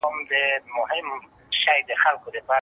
څوک د اداري فساد مخنیوی کوي؟